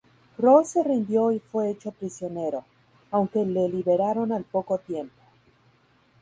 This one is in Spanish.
Ross se rindió y fue hecho prisionero, aunque le liberaron al poco tiempo.